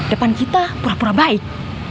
depan kita pura pura baik